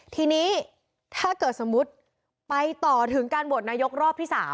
ทีนี้ถ้าเกิดสมมุติไปต่อถึงการโหวตนายกรอบที่๓